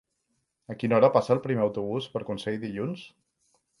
A quina hora passa el primer autobús per Consell dilluns?